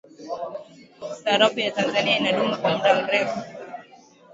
sarafu ya tanzania inadumu kwa muda mrefu